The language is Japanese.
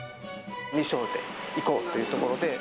ミショーでいこうというところで。